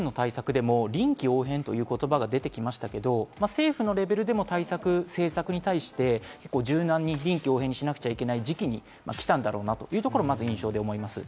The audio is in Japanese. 先ほど臨機応変ということが出てきましたが、政府のレベルでも政策に対して、柔軟に臨機応変にしなくちゃいけない時期に来たんだろうなというところ、まず思います。